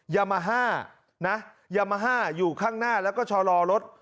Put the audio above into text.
ยัมภาษณ์นะยัมภาษณ์อยู่ข้างหน้าและก็ชอลอรถ